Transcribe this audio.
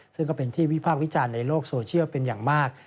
ซึ่งก็เป็นที่วิพากษ์วิจารณ์ในโลกโซเชียลเป็นอย่างมาก